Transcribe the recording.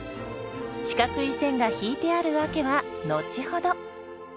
四角い線が引いてある訳は後ほど。